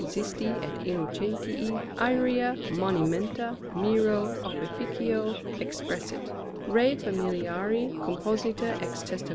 XISTI ET INNOCENTII ÆREA MONIMENTA MIRO OPIFIC. EXPRESSIT, RE FAMIL. COMPOSITA EX TEST.